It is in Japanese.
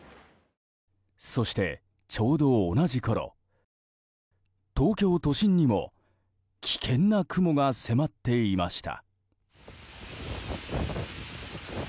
そして、ちょうど同じころ東京都心にも危険な雲が迫っていました。